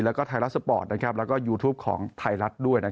แล้วก็ไทยรัฐสปอร์ตแล้วก็ยูทูปของไทยรัฐด้วย